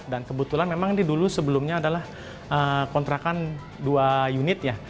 dan kebetulan memang ini dulu sebelumnya adalah kontrakan dua unit